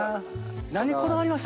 何こだわりました？